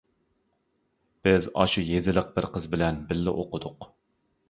بىز ئاشۇ يېزىلىق بىر قىز بىلەن بىللە ئوقۇدۇق.